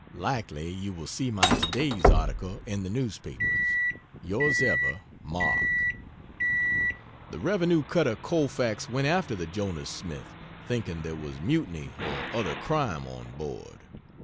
Likely you will see my today's article in the newspapers. Yrs ever, MARK. The revenue cutter Colfax went after the Jonas Smith, thinking there was mutiny or other crime on board.